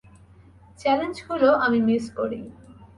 চ্যালেঞ্জগুলো আমি মিস করি।